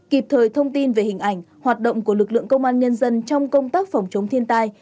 kịp thời thông tin về hình ảnh hoạt động của lực lượng công an nhân dân trong công tác phòng chống thiên tai